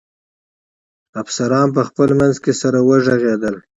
افسران په خپل منځ کې سره و غږېدل.